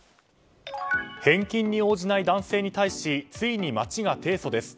返金に応じない男性に対しついに町が提訴です。